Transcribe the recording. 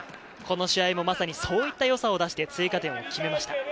この試合はまさにそういった良さを出して追加点を決めました。